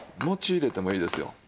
餅入れてもいいですよ。